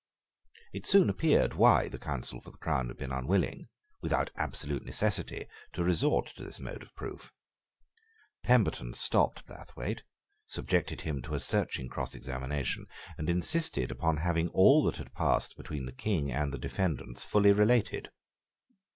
It soon appeared why the counsel for the crown had been unwilling, without absolute necessity, to resort to this mode of proof. Pemberton stopped Blathwayt, subjected him to a searching cross examination, and insisted upon having all that had passed between the King and the defendants fully related.